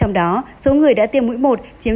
trong đó số người đã tiêm mũi một chiếm chín mươi tám bốn